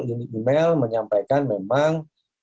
ini email menyampaikan memang